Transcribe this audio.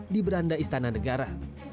di beranda istana negara